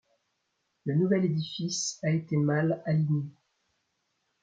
Le nouvel édifice a été mal aligné.